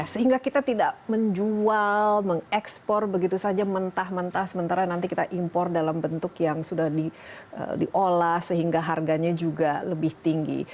sehingga kita tidak menjual mengekspor begitu saja mentah mentah sementara nanti kita impor dalam bentuk yang sudah diolah sehingga harganya juga lebih tinggi